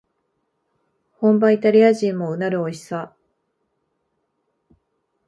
本場イタリア人もうなるおいしさ